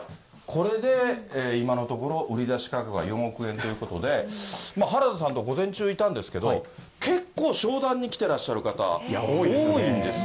これで、今のところ、売り出し価格は４億円ということで、原田さんと午前中いたんですけれども、結構、商談に来てらっしゃる方、多いんですよ。